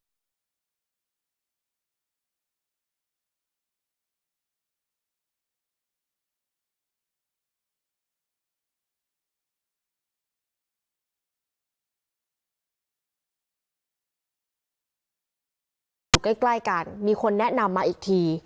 อยู่ใกล้กันมีคนแนะนำมาอีกที